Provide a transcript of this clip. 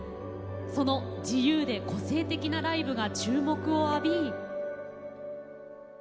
その自由で個性的なライブが注目を浴び。